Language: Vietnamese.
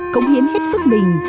cống hiến hết sức mình